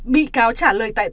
bị cáo trả lời tài sản